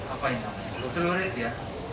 apa yang namanya celurit ya